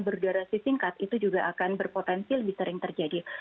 berdurasi singkat itu juga akan berpotensi lebih sering terjadi